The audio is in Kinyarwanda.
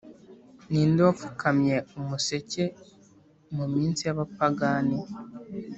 ninde wapfukamye umuseke muminsi yabapagani.